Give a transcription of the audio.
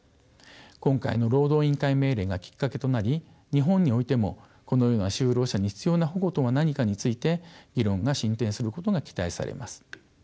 今回の労働委員会命令がきっかけとなり日本においてもこのような就労者に必要な保護とは何かについて議論が進展することが期待されます。